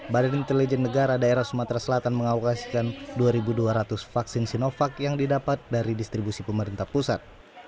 badan intelijen negara daerah sumatera selatan mengawasikan dua dua ratus vaksin sinovac yang didapat dari distribusi pemerintah pusat